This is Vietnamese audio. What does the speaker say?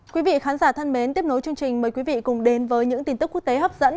quý vị khán giả thân mến tiếp nối chương trình mời quý vị cùng đến với những tin tức quốc tế hấp dẫn